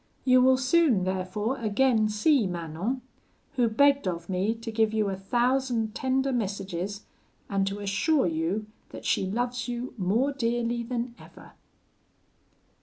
You will soon, therefore, again see Manon, who begged of me to give you a thousand tender messages, and to assure you that she loves you more dearly than ever.'"